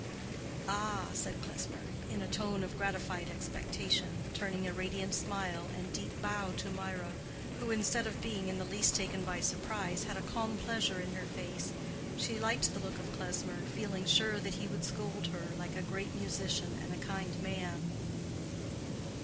"Ah," said Klesmer, in a tone of gratified expectation, turning a radiant smile and deep bow to Mirah, who, instead of being in the least taken by surprise, had a calm pleasure in her face. She liked the look of Klesmer, feeling sure that he would scold her, like a great musician and a kind man.